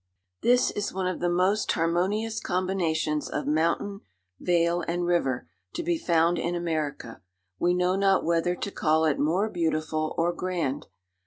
This is one of the most harmonious combinations of mountain, vale, and river, to be found in America; we know not whether to call it more beautiful or grand.